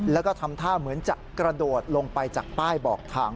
แล้วก็ทำท่าเหมือนจะกระโดดลงไปจากป้ายบอกทาง